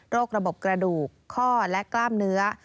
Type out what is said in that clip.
ระบบกระดูกข้อและกล้ามเนื้อ